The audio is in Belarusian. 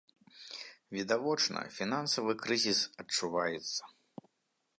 Відавочна, фінансавы крызіс адчуваецца.